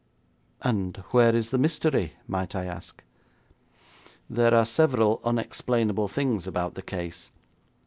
'And where is the mystery, might I ask?' 'There are several unexplainable things about the case.